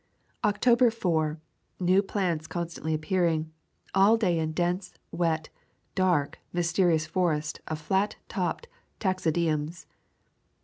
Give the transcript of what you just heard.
October 4. New plants constantly appearing. All day in dense, wet, dark, mysterious forest of flat topped taxodiums.